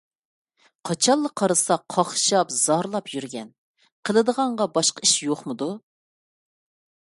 قاچانلا قارىسا قاقشاپ زارلاپ يۈرگەن. قىلىدىغانغا باشقا ئىش يوقمىدۇ؟